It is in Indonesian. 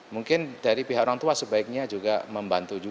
mungkin dari pihak orang tua sebaiknya juga membantu